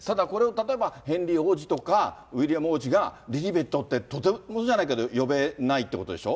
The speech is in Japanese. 例えばこれをヘンリー王子とかウィリアム王子が、リリベットってとてもじゃないけど呼べないってことでしょ？